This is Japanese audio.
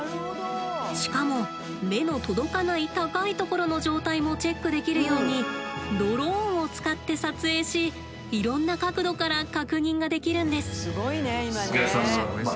しかも目の届かない高いところの状態もチェックできるようにドローンを使って撮影しいろんな角度から確認ができるんです。